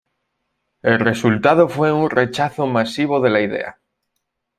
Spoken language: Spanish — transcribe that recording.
El resultado fue un rechazo masivo de la idea.